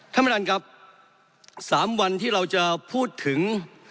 ท่านประดับสามวันที่เราจะพูดถึง